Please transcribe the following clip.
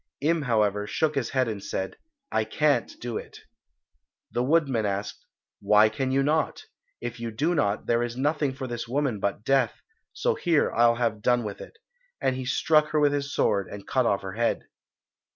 Im, however, shook his head and said, "I can't do it." The woodman asked, "Why can you not? If you do not, there is nothing for this woman but death, so here I'll have done with it," and he struck her with his sword and cut off her head.